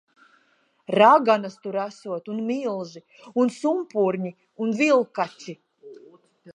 Raganas tur esot un milži. Un sumpurņi un vilkači.